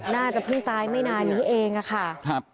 น่าจะเพิ่งตายไม่นานนี้เองค่ะ